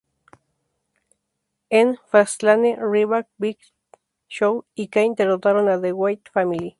En "Fastlane", Ryback, Big Show y Kane derrotaron a The Wyatt Family.